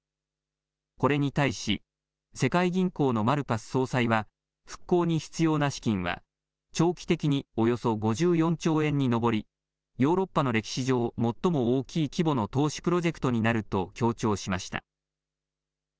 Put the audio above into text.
これに対し世界銀行のマルパス総裁は復興に必要な資金は長期的におよそ５４兆円に上りヨーロッパの歴史上、最も大きい規模の投資プロジェクトになると強調しました。